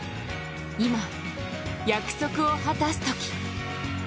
今、約束を果たすとき。